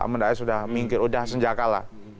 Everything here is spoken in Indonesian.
amin rais sudah minggir sudah senjakala